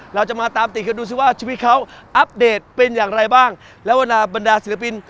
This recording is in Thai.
เราจะมาตามติดกันดูสิว่าชีวิตเขาอัปเดตเป็นอย่างไรบ้างแล้วเวลาบรรดาศิลปิน